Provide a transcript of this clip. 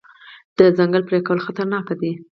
د ځنګل پرې کول خطرناک دي.